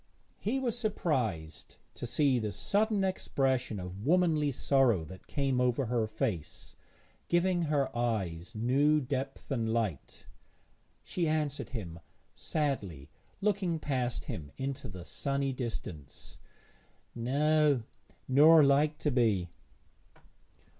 He was surprised to see the sudden expression of womanly sorrow that came over her face, giving her eyes new depth and light. She answered him sadly, looking past him into the sunny distance 'No, nor like to be.'